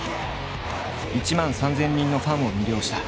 １万３，０００人のファンを魅了した。